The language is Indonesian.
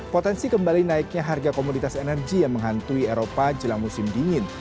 potensi kembali naiknya harga komoditas energi yang menghantui eropa jelang musim dingin